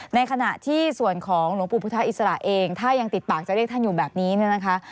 ในขณะที่ส่วนของหลวงปู่พุทธอิสระเองถ้ายังติดปากจะเรียกท่านอยู่แบบนี้เนี่ยนะคะ